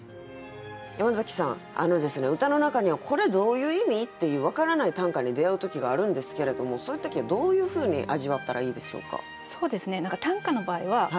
山崎さん歌の中には「これどういう意味？」っていう分からない短歌に出合う時があるんですけれどもそういう時はどういうふうに味わったらいいでしょうか？